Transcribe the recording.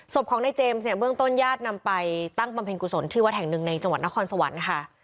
ศพของนายเจมส์เนี่ยเบื้องต้นญาตินำไปตั้งบำเพ็ญกุศลที่วัดแห่งหนึ่งในจังหวัดนครสวรรค์ค่ะ